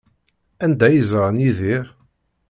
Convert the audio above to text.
Anda ay ẓran Yidir?